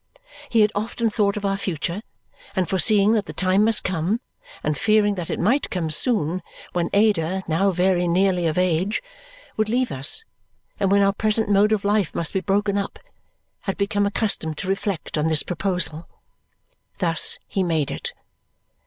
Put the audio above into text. He had often thought of our future, and foreseeing that the time must come, and fearing that it might come soon, when Ada (now very nearly of age) would leave us, and when our present mode of life must be broken up, had become accustomed to reflect on this proposal. Thus he made it.